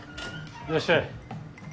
いらっしゃい。